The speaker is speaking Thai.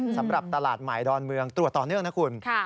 สำหรับตลาดใหม่ดอนเมืองตรวจต่อเนื่องนะคุณ